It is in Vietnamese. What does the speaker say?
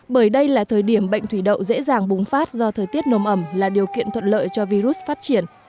bởi đây là thời điểm bệnh thủy đậu dễ dàng bùng phát do thời tiết nồm ẩm là điều kiện thuận lợi cho virus phát triển